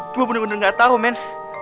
gue bener bener gak tau men